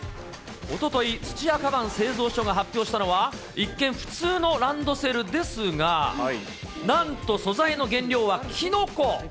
おととい、土屋鞄製造所が発表したのは、一見、普通のランドセルですが、なんと、素材の原料はキノコ。